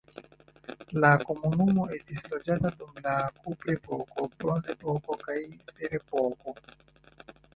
La komunumo estis loĝata dum la kuprepoko, bronzepoko, kaj ferepoko.